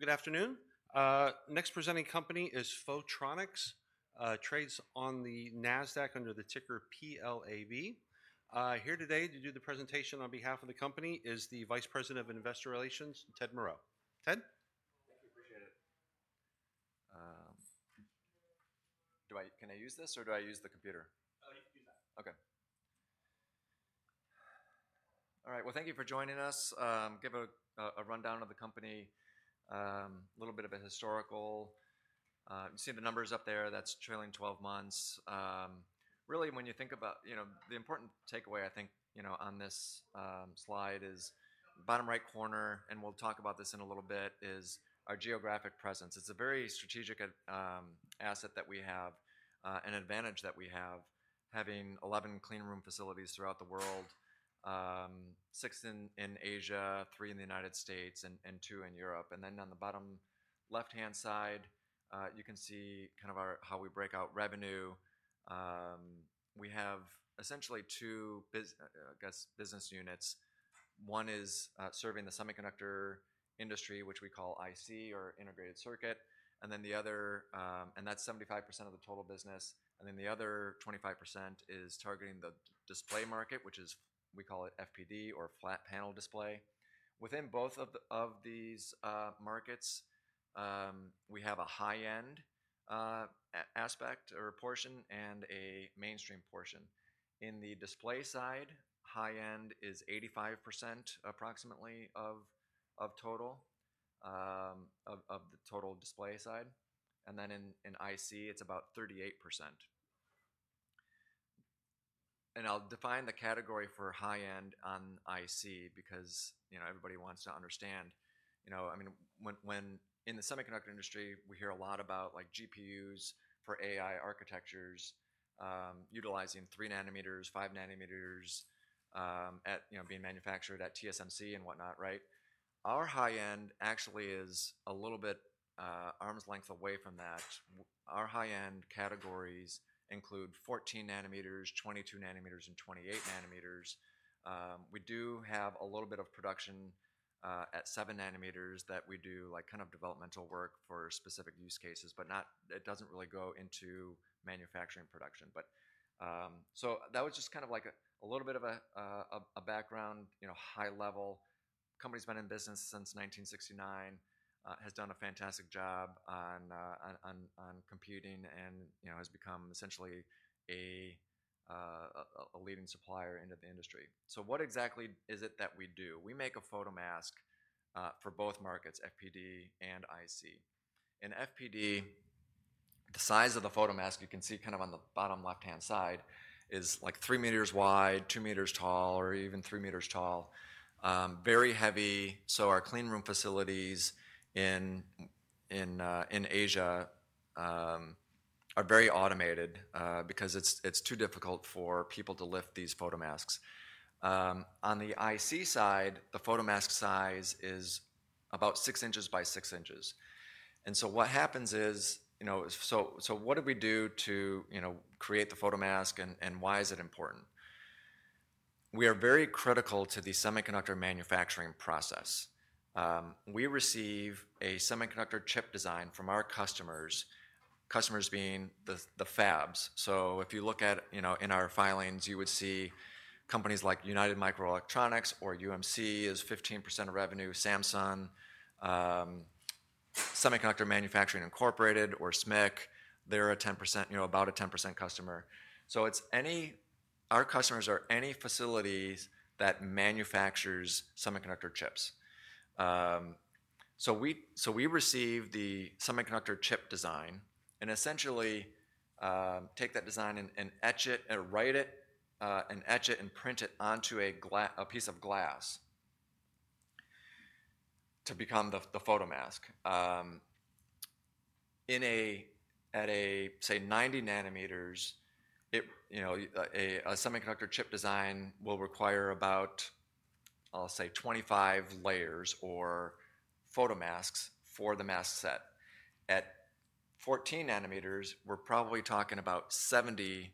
Good afternoon. Next presenting company is Photronics, trades on the NASDAQ under the ticker PLAB. Here today to do the presentation on behalf of the company is the Vice President of Investor Relations, Ted Moreau. Ted, can I use this or do I use the computer? Okay. All right. Thank you for joining us. Give a rundown of the company, a little bit of a historical. You see the numbers up there? That's trailing 12 months. Really, when you think about, you know, the important takeaway, I think, you know, on this slide is bottom right corner, and we'll talk about this in a little bit, is our geographic presence. It's a very strategic asset that we. Have an advantage that we have. 11 clean room facilities throughout the world, six in Asia, three in the United States, and two in Europe. On the bottom left hand side you can see kind of our. How we break out revenue. We have essentially two business units. One is serving the semiconductor industry which we call IC or Integrated Circuit. That is 75% of the total business. The other 25% is targeting the display market, which we call FPD or Flat- Panel Display. Within both of these markets we have a high-end aspect or portion and a mainstream portion. In the display side, high-end is 85% approximately of the total display side. In IC it is about 38%. I'll define the category for high-end on IC because you know, everybody wants to understand, you know, I mean when in the semiconductor industry we hear a lot about like GPUs for AI architectures utilizing 3 nm, 5 nm at, you know, being manufactured at TSMC and Whatnot. Right. Our high-end actually is a little bit arm's length away from that. Our high-end categories include 14 nm, 22 nm, and 28 nm. We do have a little bit of production at 7 nm that we do like kind of developmental work for specific use cases. It does not really go into manufacturing production. That was just kind of like a little bit of a background. High-level, company's been in business since 1969, has done a fantastic job on competing and has become essentially a leading supplier into the industry. What exactly is it that we do? We make a photomask for both markets, FPD and IC. In FPD, the size of the photomask you can see kind of on the bottom left-hand side is like 3 m wide, 2 m tall or even 3 m tall, very heavy. Our clean room facilities in Asia are very automated because it's too difficult for people to lift these photomasks. On the IC side, the photomask size is about 6 in by 6 in. What happens is, what did we do to create the photomask and why is it important? We are very critical to the semiconductor manufacturing process. We receive a semiconductor chip design from our customers, customers being the fabs. If you look at, you know, in our filings, you would see companies like United Microelectronics or UMC, is 15% of revenue. Semiconductor Manufacturing Incorporated, or SMIC, they're a 10%, you know, about a 10% customer. It's any. Our customers are any facilities that manufacture semiconductor chips. We receive the semiconductor chip design and essentially take that design and write it and etch it and print it onto a piece of glass to become the photomask. At, say, 90 nm, a semiconductor chip design will require about, I'll say, 25 layers or photomasks. For the mask set at 14 nm, we're probably talking about 70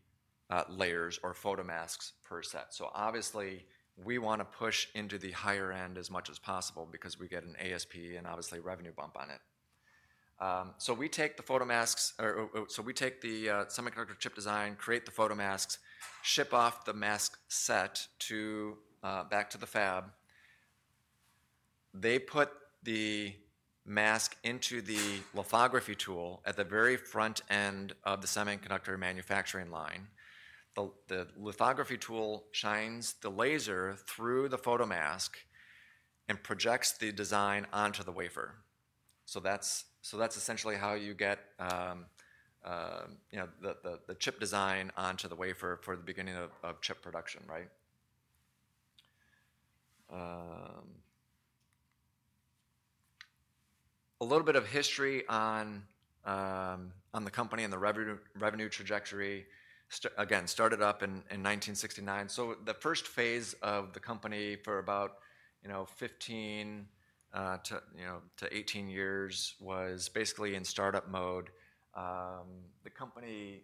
layers or photomasks per set. Obviously we want to push into the higher end as much as possible because we get an ASP and obviously revenue bump on it. We take the photomasks, we take the semiconductor chip design, create the photomasks, ship off the mask set back to the fab. They put the mask into the lithography tool at the very front end of the semiconductor manufacturing line. The lithography tool shines the laser through the photomask and projects the design onto the wafer. That's essentially how you get. The. Chip design onto the wafer for the beginning of chip production. Right. A little bit of history on the company and the revenue trajectory again started up in 1969. The first phase of the company for about, you know, 15-18 years was basically in startup mode. The company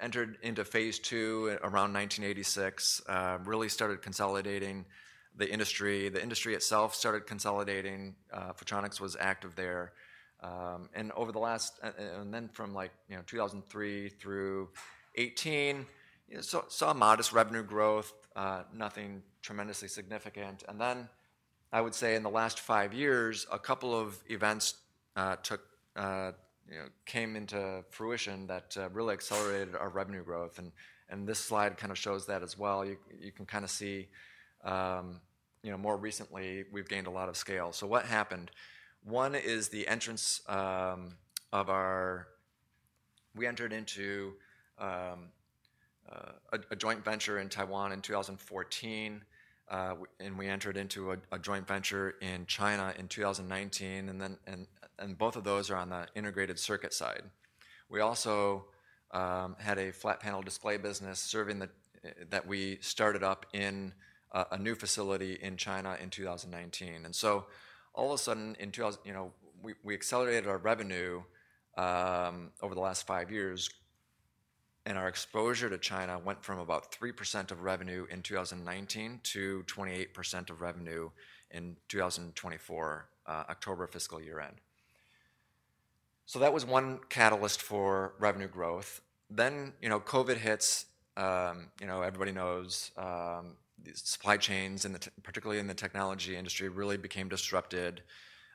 entered into phase two around 1986, really started consolidating the industry. The industry itself started consolidating. Photronics was active there. From like 2003 through 2018, saw modest revenue growth, nothing tremendously significant. I would say in the last five years, a couple of events came into fruition that really accelerated our revenue growth. This slide kind of shows that as well. You can kind of see, you know, more recently we've gained a lot of scale. What happened, one is the entrance of our, we entered into a joint venture in Taiwan in 2014 and we entered into a joint venture in China in 2019. Both of those are on the integrated circuit side. We also had a flat-panel display business serving that. We started up in a new facility in China in 2019. All of a sudden, we accelerated our revenue over the last five years and our exposure to China went from about 3% of revenue in 2019 to 28% of revenue in 2024, October fiscal year end. That was one catalyst for revenue growth. Covid hits. Everybody knows supply chains, particularly in the technology industry, really became disrupted.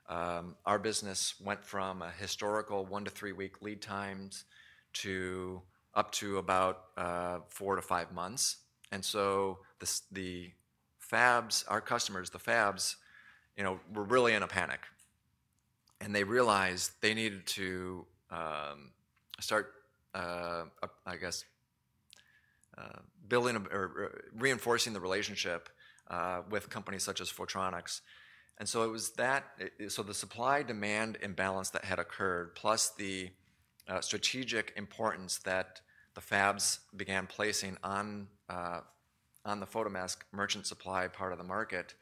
Our business went from a historical one to three week lead times to up to about four to five months. The fabs, our customers, the fabs were really in a panic and they realized they needed to start, I guess, building or reinforcing the relationship with companies such as Photronics. It was that. The supply demand imbalance that had occurred plus the strategic importance that the fabs began placing on the photomask merchant supply part of the market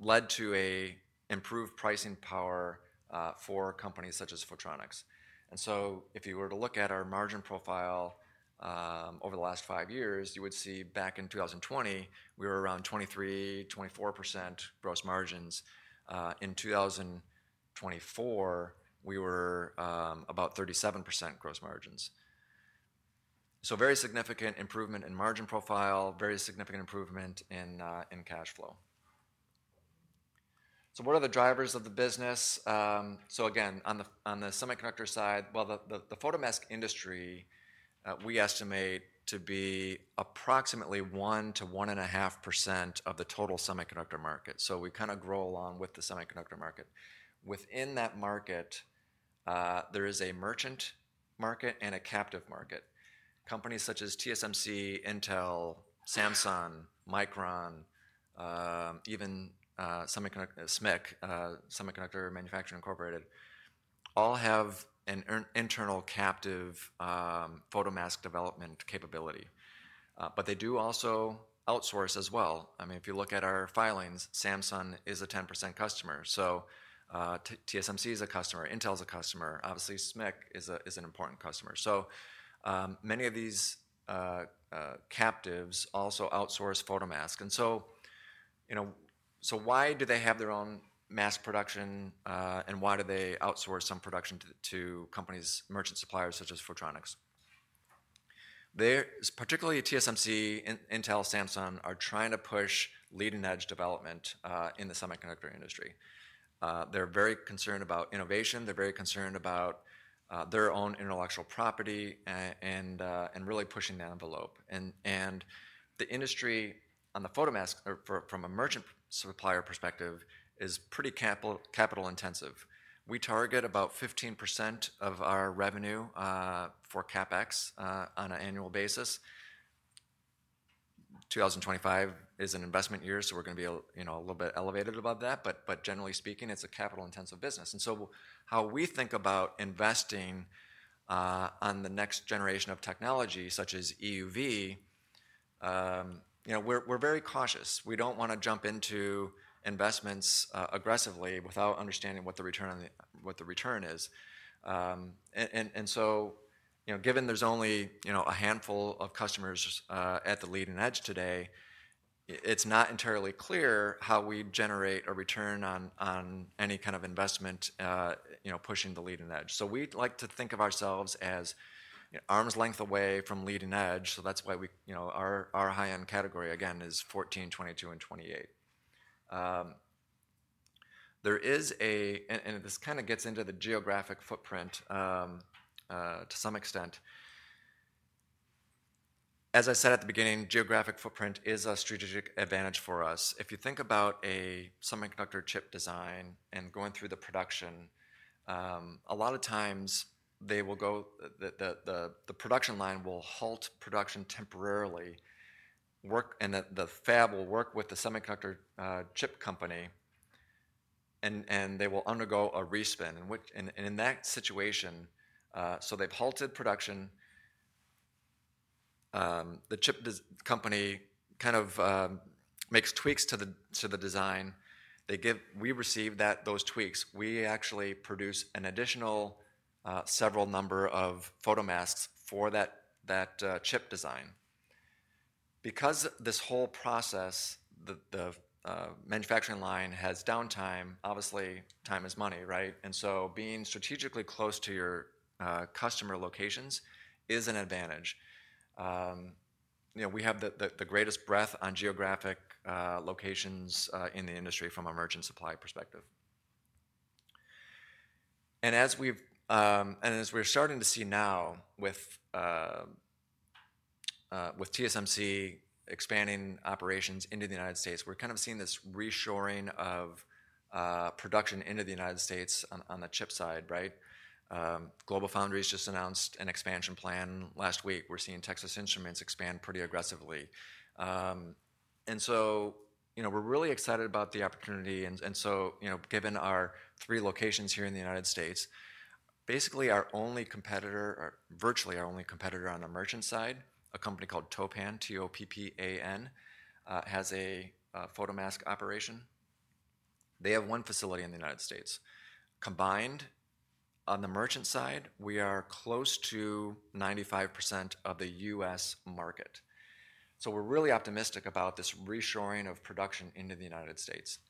led to an improved pricing power for companies such as Photronics. If you were to look at our margin profile over the last five years, you would see back in 2020 we were around 23%-24% gross margins. In 2024 we were about 37% gross margins. Very significant improvement in margin profile, very significant improvement in cash flow. What are the drivers of the business? Again, on the, on the semiconductor side? The photomask industry we estimate to be approximately 1%-1.5% of the total semiconductor market. So we kind of grow along with the semiconductor market. Within that market there is a merchant market and a captive market. Companies such as TSMC, Intel, Samsung, Micron, even Semiconductor Manufacturing Intecorporated all have an internal captive photomask development capability. But they do also outsource as well. I mean if you look at our filings, Samsung is a 10% customer. So TSMC is a customer, Intel's a customer. Obviously SMIC is an important customer. So many of these captives also outsource photomask. And so, you know, so why do they have their own mass production and why do they outsource some production to companies? Merchant suppliers such as Photronics, particularly TSMC, Intel, Samsung are trying to push leading edge development in the semiconductor industry. They're very concerned about innovation, they're very concerned about their own intellectual property and really pushing the envelope. The industry on the photomask from a merchant supplier perspective is pretty capital intensive. We target about 15% of our revenue for CapEx on an annual basis. 2025 is an investment year so we're going to be a little bit elevated above that. Generally speaking, it's a capital intensive business. How we think about investing on the next generation of technology such as EUV, we're very cautious. We don't want to jump into investments aggressively without understanding what the return is. Given there's only a handful of customers at the leading edge today, it's not entirely clear how we generate a return on any kind of investment pushing the leading edge. We like to think of ourselves as arm's length away from lead and edge. That is why we, you know, our high-end category again is 14, 22 and 28. There is a, and this kind of gets into the geographic footprint to some extent. As I said at the beginning, geographic footprint is a strategic advantage for us. If you think about a semiconductor chip design and going through the production, a lot of times they will go, the production line will halt production temporarily and the fab will work with the semiconductor chip company and they will undergo a re-spin and in that situation, they have halted production. The chip company kind of makes tweaks to the design. We receive those tweaks. We actually produce an additional several number of photomasks for that chip design. Because this whole process, the manufacturing line has downtime obviously. Time is money. Right. And so being strategically close to your customer locations is an advantage. You know, we have the greatest breadth on geographic locations in the industry from a merchant supply perspective. And as we've, and as we're starting to see now with TSMC expanding operations into the United States, we're kind of seeing this reshoring of production into the United States on the chip side. Right. GlobalFoundries just announced an expansion plan last week. We're seeing Texas Instruments expand pretty aggressively. And so, you know, we're really excited about the opportunity. And so, you know, given our three locations here in the United States, basically our only competitor, virtually our only competitor on the merchant side, a company called TOPPAN, T O P P A N, has a photomask operation. They have one facility in the United States combined. On the merchant side, we are close to 95% of the U.S. market. So we're really optimistic about this reshoring of production into the United States.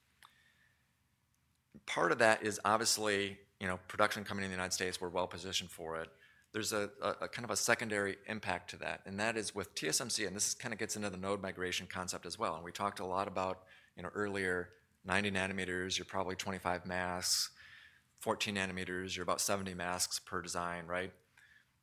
Part of that is obviously, you know, production coming in the United States. We're well positioned for it. There's a kind of a secondary impact to that, and that is with TSMC and this kind of gets into the node migration concept as well. And we talked a lot about, you know, earlier, 90 nm, you're probably 25 masks, 14 nm, you're about 70 masks per design. Right.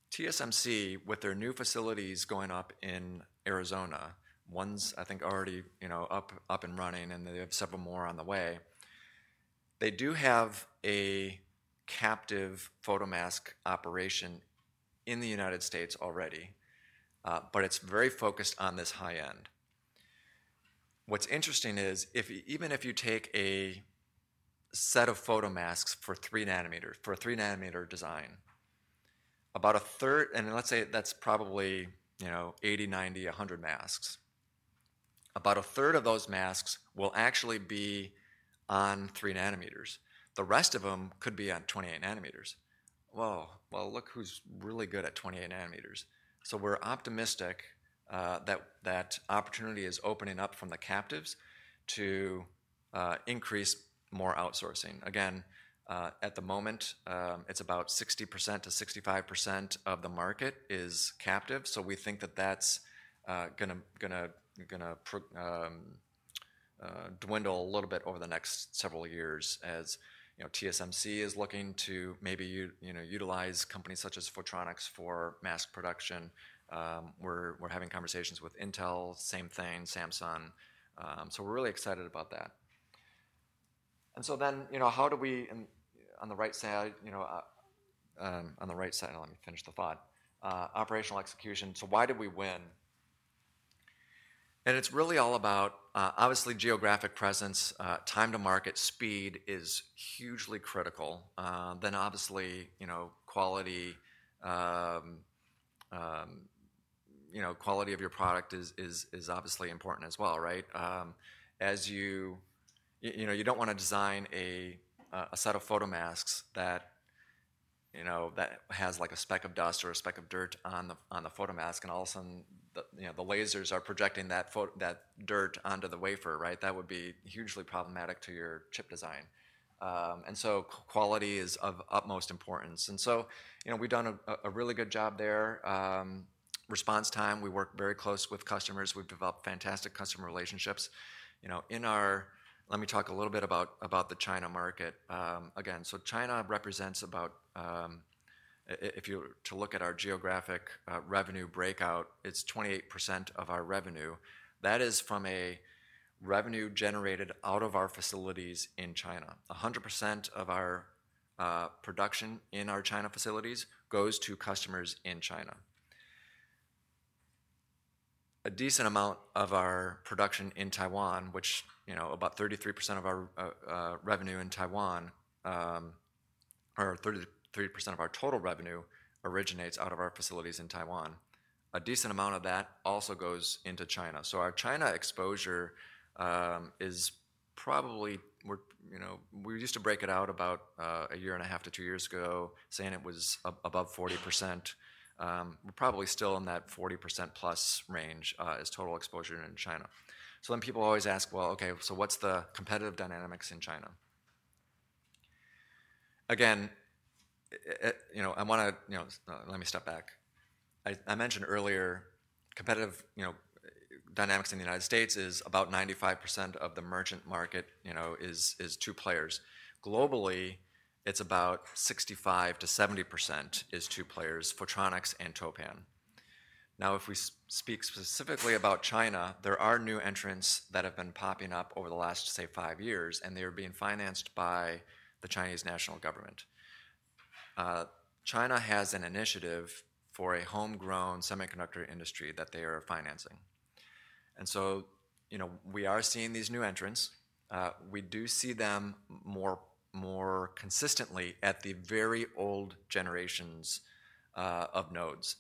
TSMC with their new facilities going up in Arizona, one's I think already, you know, up, up and running, and they have several more on the way. They do have a captive photomask operation in the United States already, but it's very focused on this high-end. What's interesting is if even if you take a set of photomasks for 3 nm, for a 3 nm design, about a third, and let's say that's probably, you know, 80, 90, 100 masks, about a third of those masks will actually be on 3 nm. The rest of them could be on 28 nm. Whoa. Look who's really good at 28 nm. We are optimistic that opportunity is opening up from the captives to increase more outsourcing again. At the moment it's about 60%-65% of the market is captive. We think that that's going to dwindle a little bit over the next several years as TSMC is looking to maybe utilize companies such as Photronics for mass production. We're having conversations with Intel, same thing Samsung. We're really excited about that. And so then, you know, how do we. On the right side, you know, on the right side. Let me finish the thought. Operational execution. Why did we win? It is really all about obviously geographic presence. Time to market speed is hugely critical. Obviously, you know, quality, you know, quality of your product is obviously important as well. Right? As you, you know, you do not want to design a set of photomasks that, you know, that has like a speck of dust or a speck of dirt on the photomask and all of a sudden, you know, the lasers are projecting that dirt onto the wafer, right, that would be hugely problematic to your chip design. Quality is of utmost importance. You know, we have done a really good job there. Response time. We work very close with customers. We have developed fantastic customer relationships. You know, in our. Let me talk a little bit about the China market again. China represents about, if you were to look at our geographic revenue breakout, it's 28% of our revenue that is from revenue generated out of our facilities in China. 100% of our production in our China facilities goes to customers in China. A decent amount of our production in Taiwan, which, you know, about 33% of our revenue in Taiwan or 33% of our total revenue originates out of our facilities in Taiwan, a decent amount of that also goes into China. Our China exposure is probably, we used to break it out about a year and a half to two years ago saying it was above 40%. We're probably still in that 40% plus range as total exposure in China. People always ask, well, okay, what's the competitive dynamics in China? Again? I want to, let me step back. I mentioned earlier, competitive dynamics in the United States is about 95% of the merchant market, you know, is two players. Globally, it's about 65%-70% is two players, Photronics and TOPPAN. Now, if we speak specifically about China, there are new entrants that have been popping up over the last, say, five years and they are being financed by the Chinese national government. China has an initiative for a homegrown semiconductor industry that they are financing. You know, we are seeing these new entrants, we do see them more consistently at the very old generations of nodes.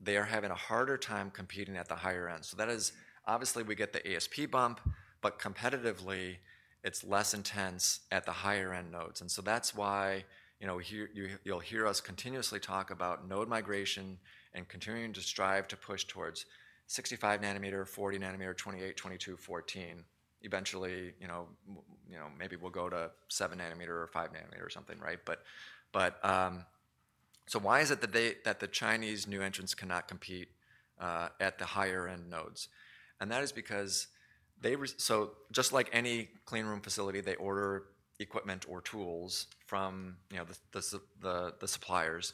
They are having a harder time competing at the higher end. That is obviously, we get the ASP bump, but competitively it's less intense at the higher end nodes. That is why you'll hear us continuously talk about node migration and continuing to strive to push towards 65 nm, 40 nm, 28, 22, 14. Eventually, you know, maybe we'll go to 7 nm or 5 nm or something. Right? Why is it that the Chinese new entrants cannot compete at the higher end nodes? That is because they, just like any clean room facility, order equipment or tools from the suppliers.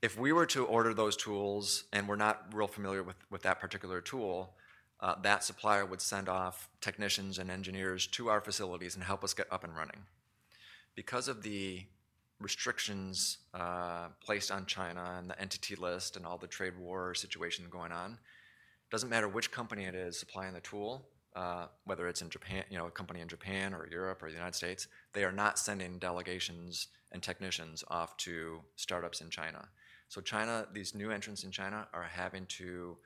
If we were to order those tools and we're not real familiar with that particular tool, that supplier would send off technicians and engineers to our facilities and help us get up and running. Because of the restrictions placed on China and the entity list and all the trade war situation going on, it does not matter which company it is supplying the tool, whether it is in Japan, you know, a company in Japan or Europe or the United States, they are not sending delegations and technicians off to startups in China. China, these new entrants in China are having to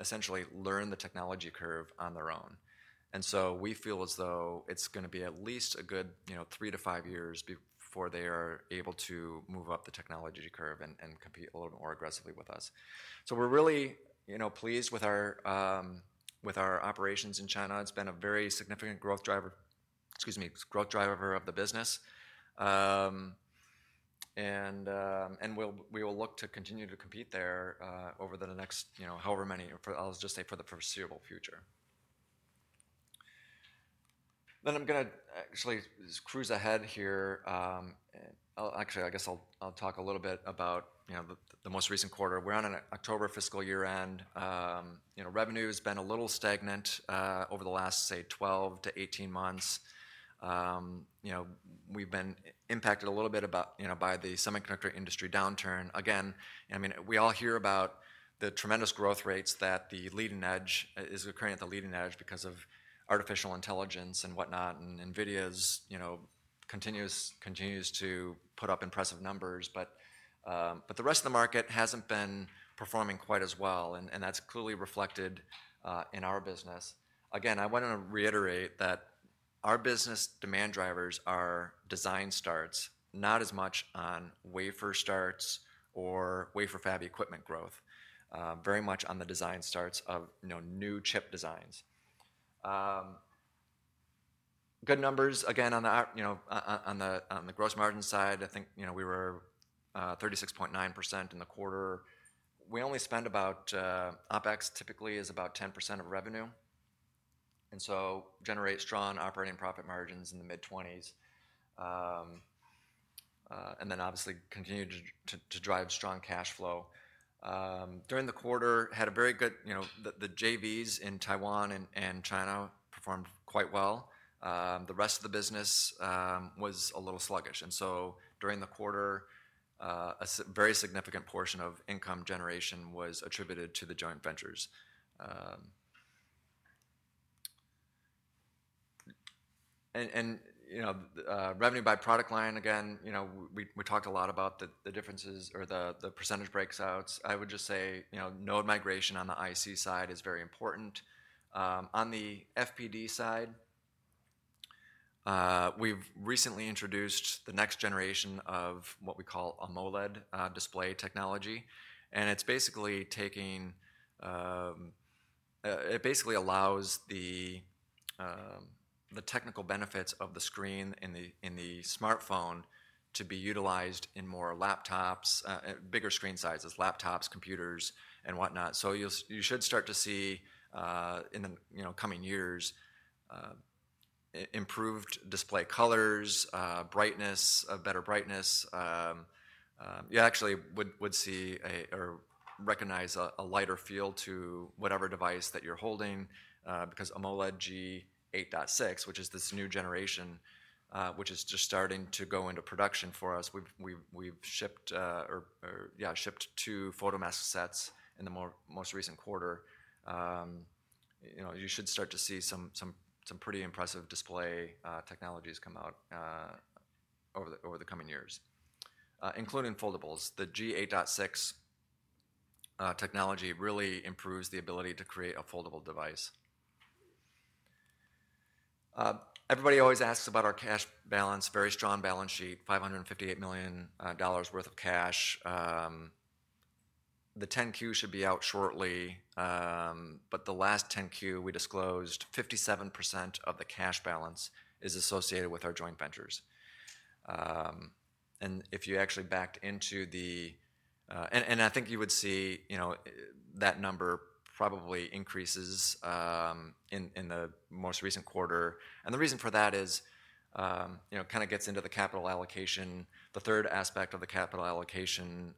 essentially learn the technology curve on their own. We feel as though it is going to be at least a good three to five years before they are able to move up the technology curve and compete a little more aggressively with us. We are really pleased with our operations in China. It has been a very significant growth driver, excuse me, growth driver of the business. We will look to continue to compete there over the next however many, I'll just say for the foreseeable future. I'm going to actually cruise ahead here. Actually, I guess I'll talk a little bit about the most recent quarter. We're on an October fiscal year end. Revenue has been a little stagnant over the last, say, 12-18 months. You know, we've been impacted a little bit by the semiconductor industry downturn again. I mean, we all hear about the tremendous growth rates that the leading edge is occurring at the leading edge because of artificial intelligence and Whatnot. And NVIDIA's, you know, continues to put up impressive numbers, but the rest of the market hasn't been performing quite as well. That's clearly reflected in our business. Again, I want to reiterate that our business demand drivers are design starts. Not as much on wafer starts or Wafer Fab Equipment growth. Very much on the design starts of new chip designs. Good numbers. Again, on the gross margin side, I think we were 36.9% in the quarter. We only spend about OpEx typically is about 10% of revenue and generate strong operating profit margins in the mid-20s and then obviously continue to drive strong cash flow. During the quarter had a very good, you know, the JVs in Taiwan and China performed quite well. The rest of the business was a little sluggish. During the quarter, a very significant portion of income generation was attributed to the joint ventures and, you know, revenue by product line. Again, you know, we talked a lot about the differences or the percentage breakouts. I would just say, you know, node migration on the IC side is very important. On the FPD side, we've recently introduced the next generation of what we call AMOLED Display Technology. It's basically taking, it basically allows the technical benefits of the screen in the smartphone to be utilized in more laptops, bigger screen sizes, laptops, computers and whatnot. You should start to see in the coming years improved display colors, brightness, better brightness, you actually would see or recognize a lighter feel to whatever device that you're holding. Because AMOLED G8.6, which is this new generation which is just starting to go into production for us, we've shipped two photomask sets in the most recent quarter. You should start to see some pretty. Impressive display technologies come out over the. Coming years, including foldables. The G8.6 technology really improves the ability to create a foldable device. Everybody always asks about our cash balance. Very strong balance sheet, $558 million worth of cash. The 10Q should be out shortly. The last 10Q we disclosed 57% of the cash balance is associated with our joint ventures. If you actually backed into the, and I think you would see, you know, that number probably increases in the most recent quarter. The reason for that is, you know, kind of gets into the capital allocation. The third aspect of the capital allocation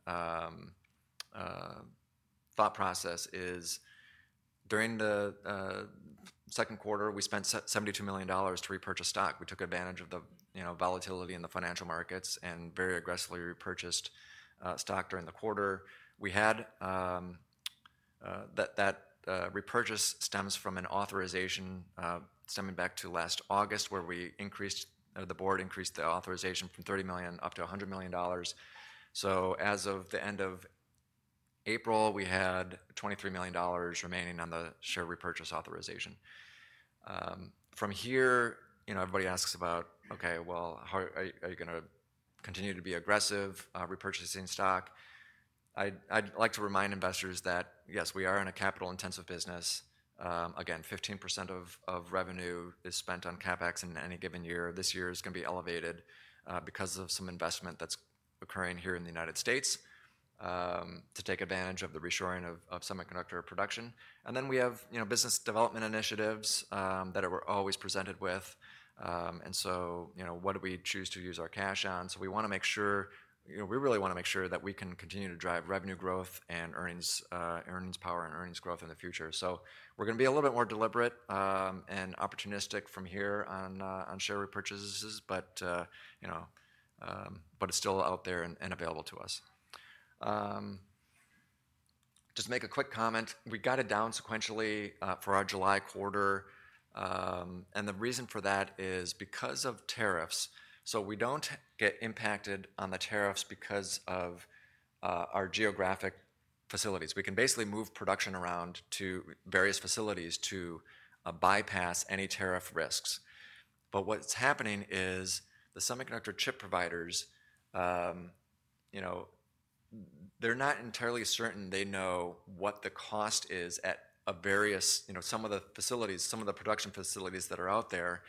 thought process is during the second quarter we spent $72 million to repurchase stock. We took advantage of the volatility in the financial markets and very aggressively repurchased stock during the quarter we had. That repurchase stems from an authorization stemming back to last August where we increased, the board increased the authorization from $30 million up to $100 million. As of the end of April, we had $23 million remaining on the share repurchase authorization. From here, everybody asks about, okay, are you going to continue to be aggressive repurchasing stock? I'd like to remind investors that yes, we are in a capital-intensive business. Again, 15% of revenue is spent on CapEx in any given year. This year is going to be elevated because of some investment that's occurring here in the United States to take advantage of the reshoring of semiconductor production. We have, you know, business development initiatives that we're always presented with. You know, what do we choose to use our cash on? We want to make sure, you know, we really want to make sure that we can continue to drive revenue growth and earnings power and earnings growth in the future. We're going to be a little bit more deliberate and opportunistic from here on share repurchases. But, you know, it's still out there and available to us. Just make a quick comment. We got it down sequentially for our July quarter and the reason for that is because of tariffs. We do not get impacted on the tariffs because of our geographic facilities. We can basically move production around to various facilities to bypass any tariff risks. What's happening is the semiconductor chip providers, you know, they're not entirely certain they know what the cost is at a various, you know, some of the facilities, some of the production facilities that are out there.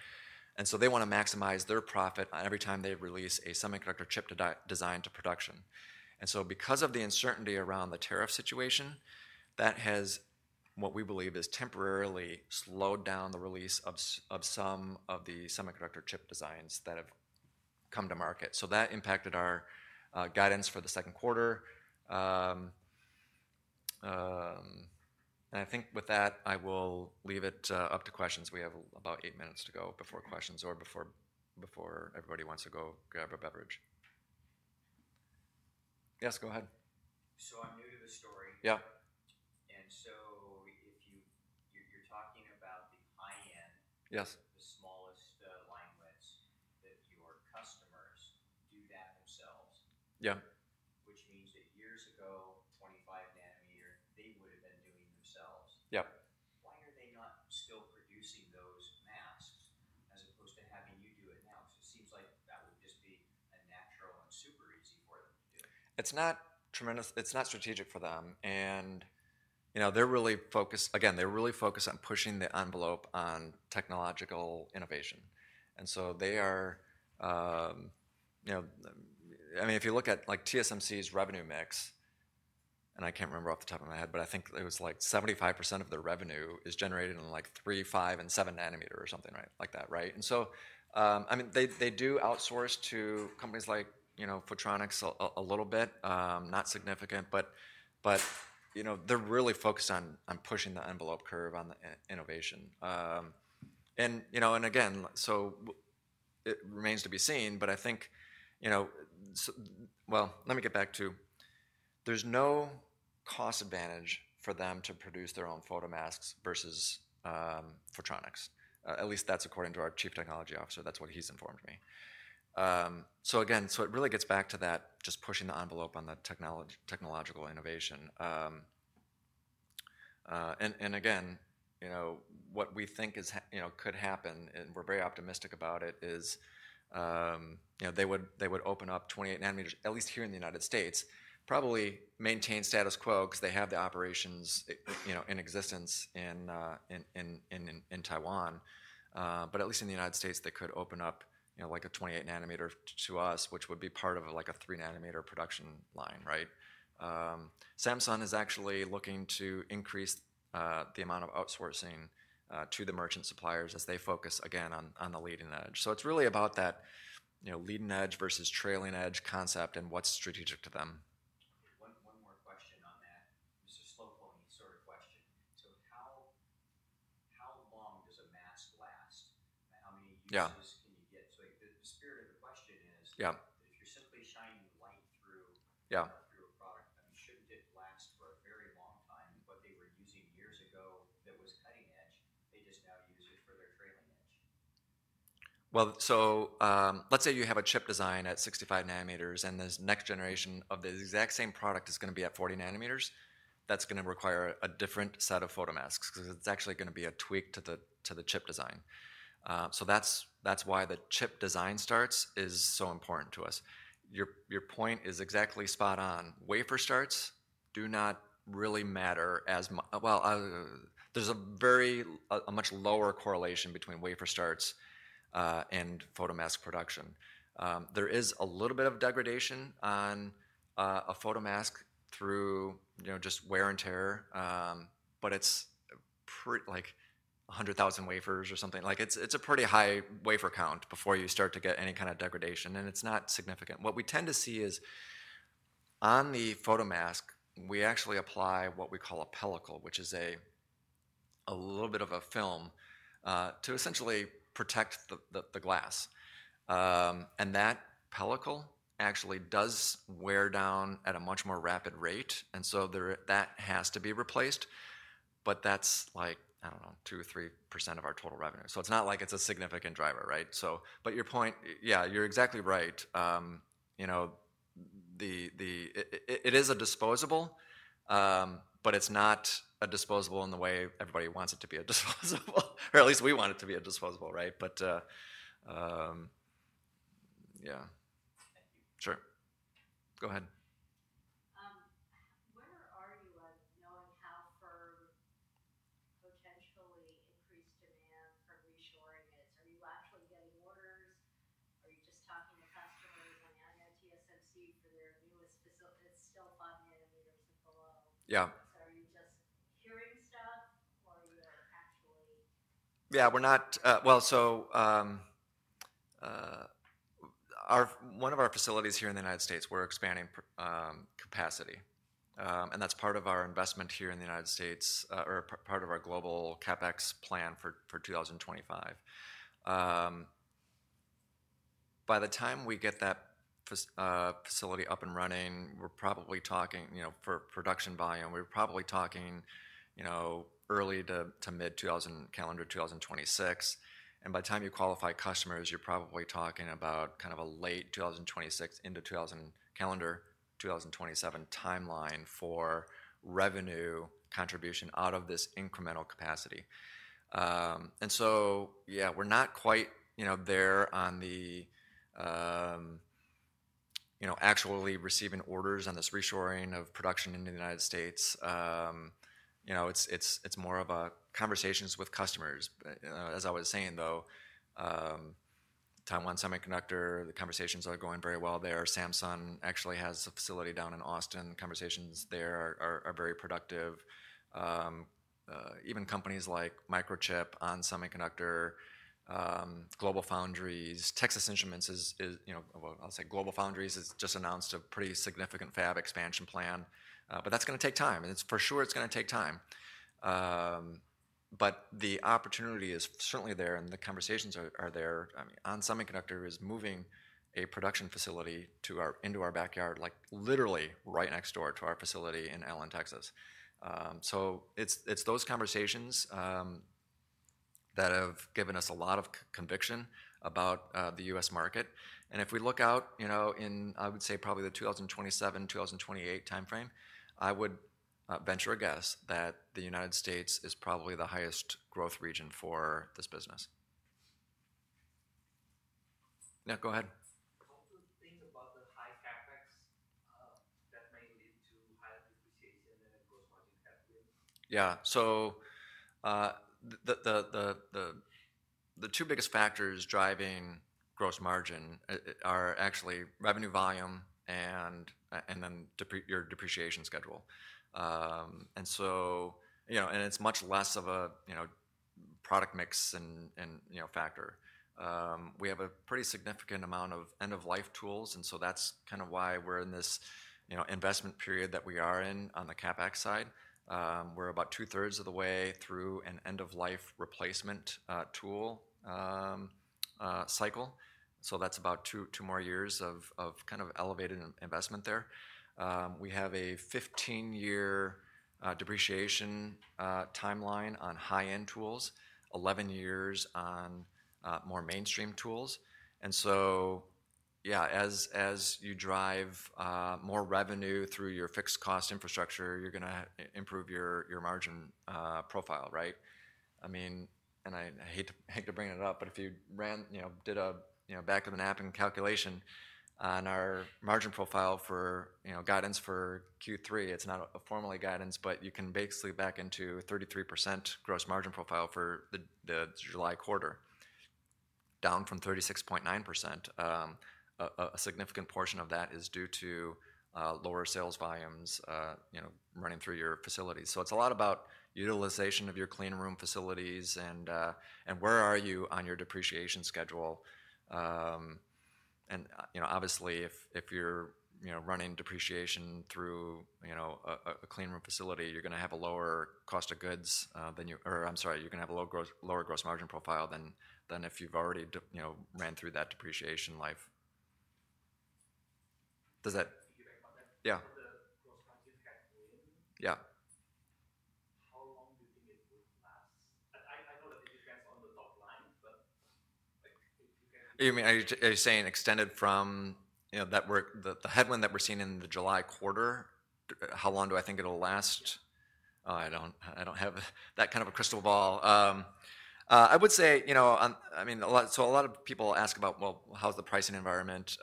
They want to maximize their profit every time they release a semiconductor chip design to production. Because of the uncertainty around the tariff situation, that has, what we believe is, temporarily slowed down the release of some of the semiconductor chip designs that have come to market. That impacted our guidance for the second quarter. I think with that I will leave it up to questions. We have about eight minutes to go before questions or before everybody wants to go grab a be. Yes, go ahead. I'm new to the story. Yeah. If you, you're talking about the high-end. Yes. The smallest line widths that your customers do that themselves. Yeah. Which means that years ago 25nm they would have been doing themselves. Yep. Why are they not still producing those masks as opposed to having you do it now? It seems like that would just be natural and super easy for them to do. It's not tremendous, it's not strategic for them. You know, they're really focused again, they're really focused on pushing the envelope on technological innovation. They are, you know, I mean if you look at like TSMC's revenue mix, and I can't remember off the top of my head, but I think it was like 75% of their revenue is generated in like 3, 5, and 7 nm or something like that. Right. I mean they do outsource to companies like, you know, Photronics a little bit. Not significant. You know, they're really focused on pushing the envelope curve on the innovation. You know, again, it remains to be seen, but I think, you know, let me get back to. There's no cost advantage for them to produce their own photomasks versus Photronics, at least that's according to our Chief Technology Officer, that's what he's informed me. Again, it really gets back to that, just pushing the envelope on the technological innovation. And again, you know, what we think could happen, and we're very optimistic about it, is they would open up 28nm at least here in the United States, probably maintain status quo because they have the operations in existence in Taiwan. At least in the United States they could open up like a 28nm to us, which would be part of like a 3nm production line. Right. Samsung is actually looking to increase the amount of outsourcing to the merchant suppliers as they focus again on the leading edge. It's really about that leading edge versus trailing edge concept and what's strategic to them. One more question on that, Mr. Moreau. When you sort of question, how long does a mask last? How many years can you get? The spirit of the question is. Yeah. If you're simply shining light through. Yeah. Through a product, I mean, shouldn't it last for a very long time? What they were using years ago, that was cutting edge. They just now use it for their trailing edge. Let's say you have a chip design at 65nm, and this next generation of the exact same product is going to be at 40 nm. That's going to require a different set of photomasks because it's actually going to be a tweak to the chip design. That's why the chip design start is so important to us. Your point is exactly spot on. Wafer starts do not really matter as well. There's a much lower correlation between wafer starts and photomask production. There is a little bit of degradation on a photomask through just wear and tear, but it's like 100,000 wafers or something. It's a pretty high wafer count before you start to get any kind of degradation, and it's not significant. What we tend to see is on the photomask, we actually apply what we call a pellicle, which is a little bit of a film, to essentially protect the glass. That pellicle actually does wear down at a much more rapid rate, and so that has to be replaced. That is like, I do not know, 2% or 3% of our total revenue, so it is not like it is a significant driver. Right. Your point, yeah, you are exactly right. It is a disposable, but it is not a disposable in the way everybody wants it to be a disposable, or at least we want it to be a disposable. Right. Yeah. Thank you. Sure, go ahead. Where are you at? Knowing how firm potentially increased demand for reshoring is, are you actually getting orders? Are you just talking to customers? Seed for their newest facility? It's still 5nm below. Yeah. Are you just hearing stuff or are you actually? Yeah, we're not. Our, one of our facilities here in the United States, we're expanding capacity and that's part of our investment here in the United States or part of our global CapEx plan for 2025. By the time we get that facility up and running, we're probably talking for production volume, we're probably talking early to mid calendar 2026. And by the time you qualify customers, you're probably talking about kind of a late 2026 into calendar 2027 timeline for revenue contribution out of this incremental capacity. Yeah, we're not quite there on actually receiving orders on this reshoring of production in the United States. You know, it's more of conversations with customers. As I was saying though, Taiwan Semiconductor, the conversations are going very well there. Samsung actually has a facility down in Austin. Conversations there are very productive. Even companies like Microchip, ON Semiconductor, GlobalFoundries, Texas Instruments is, you know, I'll say GlobalFoundries has just announced a pretty significant fab expansion plan. That's gonna take time and it's for sure it's gonna take time, but the opportunity is certainly there and the conversations are there. ON Semiconductor is moving a production facility into our backyard, like literally right next door to our facility in Allen, Texas. It's those conversations that have given us a lot of conviction about the U.S. market. If we look out, you know, in I would say probably the 2027, 2028 timeframe, I would venture a guess that the United States is probably the highest growth region for this business. Yeah, go ahead. Think about the high Capex that may lead to higher deficiencies. Yeah. The two biggest factors driving gross margin are actually revenue volume and then your depreciation schedule. You know, it's much less of a product mix factor. We have a pretty significant amount of end of life tools. That's kind of why we're in this investment period that we are in. On the CapEx side, we're about two-thirds of the way through an end of life replacement tool cycle. That's about two more years of kind of elevated investment there. We have a 15 year depreciation timeline on high-end tools, 11 years on more mainstream tools. Yeah, as you drive more revenue through your fixed cost infrastructure, you're going to improve your margin profile. Right. I mean, and I hate to, hate to bring it up, but if you ran, you know, did a, you know, back of the napkin calculation on our margin profile for, you know, guidance for Q3. It's not a formal guidance, but you can basically back into 33% gross margin profile for the July quarter, down from 36.9%. A significant portion of that is due to lower sales volumes, you know, running through your facilities. It's a lot about utilization of your clean room facilities and where are you on your depreciation schedule? And you know, obviously if you're running depreciation through, you know, a clean room facility, you're going to have a lower gross margin profile than if you've already, you know, ran through that depreciation. Life does that. Yeah, yeah. How long do you think it would last? I know that it depends on the top line. You mean, are you saying extended from, you know, that work, the headwind that we're seeing in the July quarter. How long do I think it'll last? I don't have that kind of a crystal ball. I would say, you know, I mean a lot. A lot of people ask about, well, how's the pricing environment?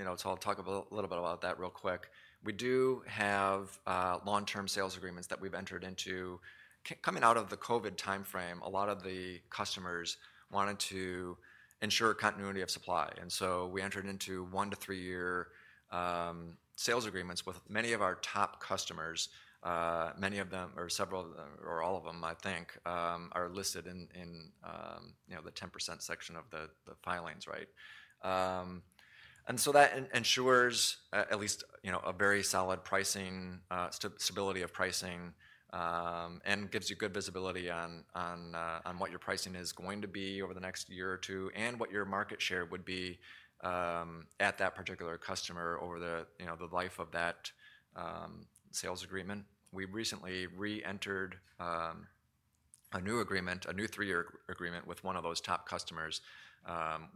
You know, I'll talk a little bit about that real quick. We do have long term sales agreements that we've entered into coming out of the Covid time frame. A lot of the customers wanted to ensure continuity of supply and so we entered into one- to three-year sales agreements with many of our top customers. Many of them or several or all of them I think are listed in, you know, the 10% section of the filings. Right. That ensures at least, you know, a very solid pricing stability of pricing and gives you good visibility on what your pricing is going to be over the next year or two and what your market share would be at that particular customer over the, you know, the life of that sales agreement. We recently re-entered a new agreement, a new three-year agreement with one of those top customers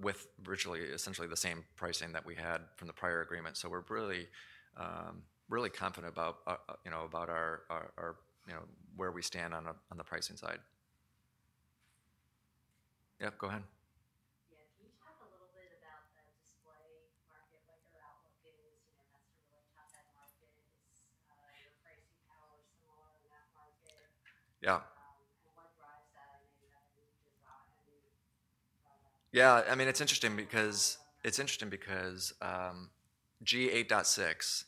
with virtually essentially the same pricing that we had from the prior agreement. We are really, really confident about, you know, about our, you know, where we stand on the pricing side. Yep. Go ahead. Yeah. Can you talk a little bit about the display market? Like our outlook is, you know, that's a really tough. Yeah, I mean it's interesting because it's interesting because G8.6,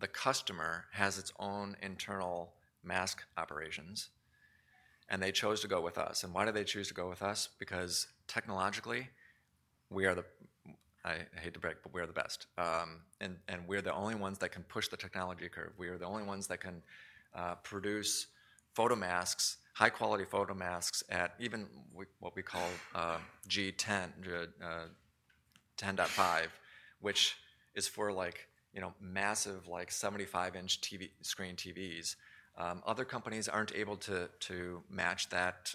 the customer has its own internal mask operations and they chose to go with us. And why do they choose to go with us? Because technologically we are the, I hate to break, but we are the best and we're the only ones that can push the technology curve. We are the only ones that can produce photomasks, high-quality photomasks at even what we call G10, 10.5, which is for like, you know, massive like 75 in TV screen TVs. Other companies aren't able to match that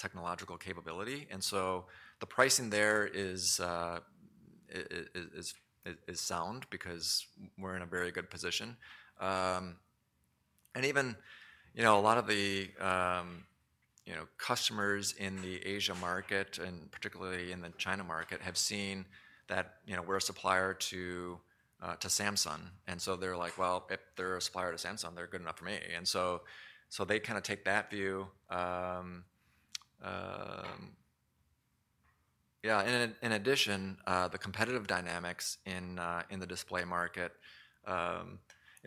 technological capability. The pricing there is sound because we're in a very good position. Even, you know, a lot of the, you know, customers in the Asia market, and particularly in the China market, have seen that, you know, we're a supplier to Samsung. They're like, well, if they're a supplier to Samsung, they're good enough for me. They kind of take that view. Yeah. In addition, the competitive dynamics in the display market,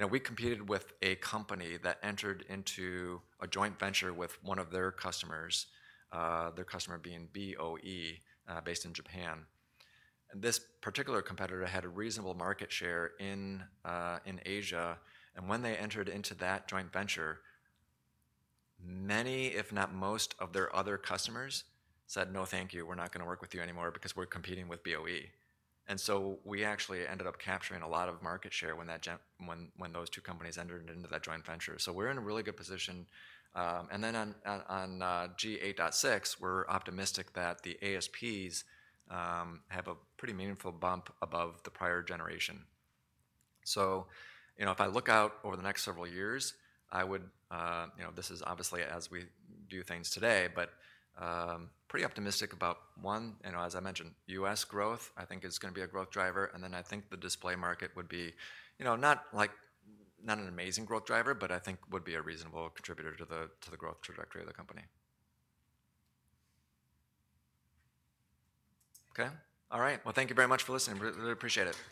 we competed with a company that entered into a joint venture with one of their customers, their customer being. BOE, based in Japan. This particular competitor had a reasonable market share in Asia. When they entered into that joint venture, many if not most of their other customers said, no, thank you, we're not going to work with you anymore because we're competing with BOE. We actually ended up capturing a lot of market share when those two companies entered into that joint venture. We're in a really good position. On G8.6, we're optimistic that the ASPs have a pretty meaningful bump above the prior generation. You know, if I look out over the next several years, I would, you know, this is obviously as we do things today, but pretty optimistic about one, you know, as I mentioned, U.S. growth, I think, is going to be a growth driver. I think the display market would be, you know, not like, not an amazing growth driver, but I think would be a reasonable contributor to the growth trajectory of the company. Okay. All right, thank you very much for listening. Really appreciate it.